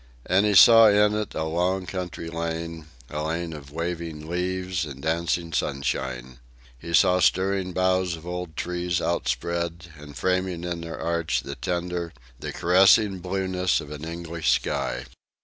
And he saw in it a long country lane, a lane of waving leaves and dancing sunshine. He saw stirring boughs of old trees outspread, and framing in their arch the tender, the caressing blueness of an English sky.